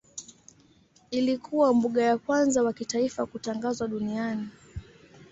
Ilikuwa mbuga ya kwanza wa kitaifa kutangazwa duniani.